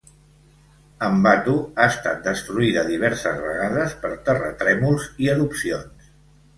Ambato ha estat destruïda diverses vegades per terratrèmols i erupcions.